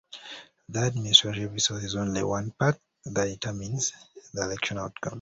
The administrative resource is only one part that determines the election outcome.